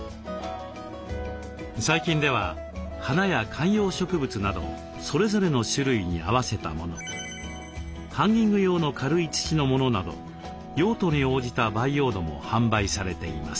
最近では花や観葉植物などそれぞれの種類に合わせたものハンギング用の軽い土のものなど用途に応じた培養土も販売されています。